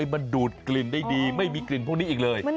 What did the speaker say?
มันดูดกลิ่นได้ดีไม่มีกลิ่นพวกนี้อีกเลย